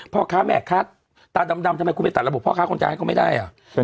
พ่อค้าแม่ค้าตาดำทำไมคุณไปตัดระบบพ่อค้าคนจ่ายให้เขาไม่ได้อ่ะ